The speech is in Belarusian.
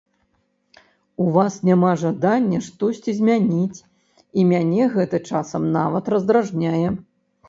У вас няма жадання штосьці змяніць, і мяне гэта часам нават раздражняе.